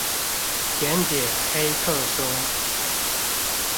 甜點黑客松